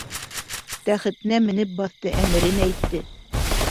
Тәхетенә менеп баҫты, әмерен әйтте: